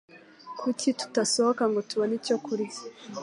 Kuki tutasohoka ngo tubone icyo kurya?